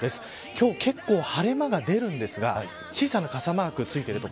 今日は結構晴れ間が出るんですが小さな傘マークついている所